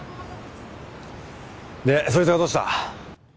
でそいつがどうした？